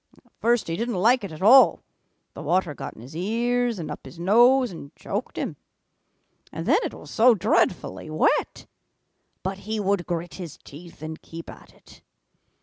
"At first he didn't like it at all. The water got in his ears and up his nose and choked him. And then it was so dreadfully wet! But he would grit his teeth and keep at it.